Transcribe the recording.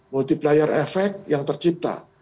multiplayer efek yang tercipta